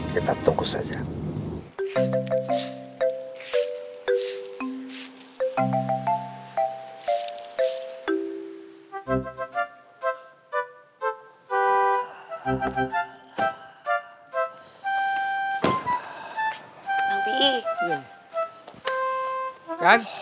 kita tunggu saja